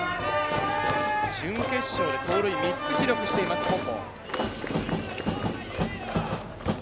準決勝で盗塁３つ記録しています、本坊。